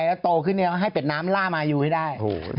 แล้วโตขึ้นให้เป็ดน้ำล่ามายูให้ได้